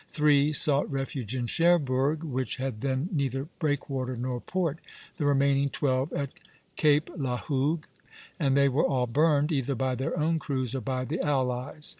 Three sought refuge in Cherbourg, which had then neither breakwater nor port, the remaining twelve at Cape La Hougue; and they were all burned either by their own crews or by the allies.